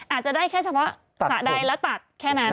อาจจะได้แค่เฉพาะสระใดแล้วตัดแค่นั้น